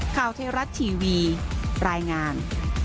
ข่าวไทยรัฐทีวีรายงาน